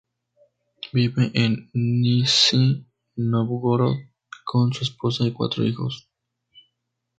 Vive en Nizhni Nóvgorod con su esposa y cuatro hijos.